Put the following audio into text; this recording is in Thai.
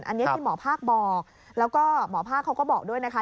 อันนี้ที่หมอภาคบอกแล้วก็หมอภาคเขาก็บอกด้วยนะคะ